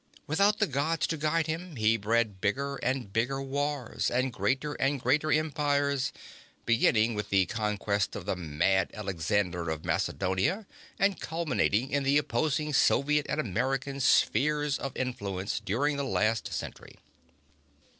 Without the Gods to guide him he bred bigger and bigger wars and greater and greater empires beginning with the conquests of the mad Alexander of Macedonia and culminating in the opposing Soviet and American Spheres of Influence during the last century."